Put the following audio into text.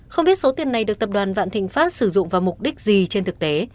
không biết số tiền này được tập đoàn vạn thịnh pháp sử dụng vào mục đích gì trên thực tế